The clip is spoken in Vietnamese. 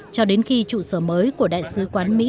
cho đến khi trụ sở mới của đại sứ quán mỹ